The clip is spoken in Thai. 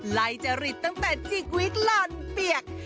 ไล่จริตตั้งแต่จิกวิกล่อนเปียก